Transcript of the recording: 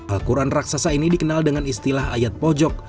al quran raksasa ini dikenal dengan istilah ayat pojok